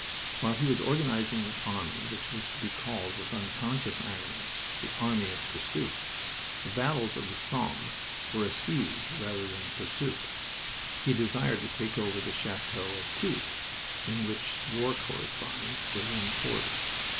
While he was organizing his army, which was to be called, with unconscious irony, "The Army of Pursuit" the battles of the Somme were a siege rather than a pursuit he desired to take over the chateau at Tilques, in which the war correspondents were then quartered.